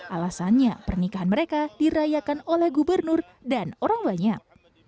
alasannya pernikahan mereka dirayakan oleh gubernur dan orang banyak